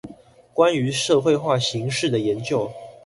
關於社會化形式的研究